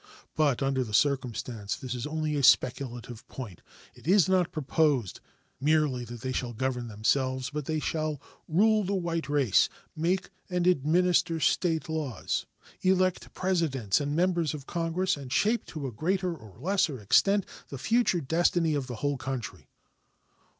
But under the circumstances this is only a speculative point. It is not proposed merely that they shall govern themselves, but that they shall rule the white race, make and administer State laws, elect Presidents and members of Congress, and shape to a greater or less extent the future destiny of the whole country.